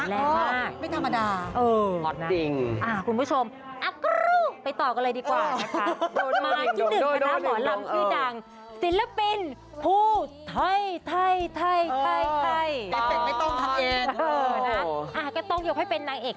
แรงมาก